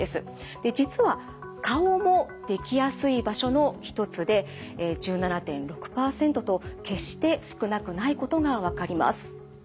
で実は顔もできやすい場所の一つで１７．６％と決して少なくないことが分かります。